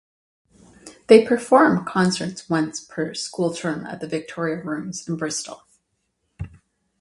They perform concerts once per school term at the Victoria Rooms in Bristol.